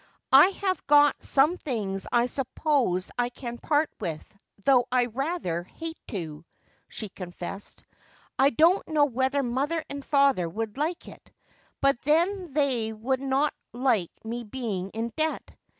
"I have got some things I suppose I can part with, though I rather hate to," she confessed. "I don't know whether mother and father would like it, but then they would not like my being in debt.